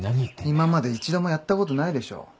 今まで一度もやったことないでしょ？